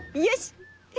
よし！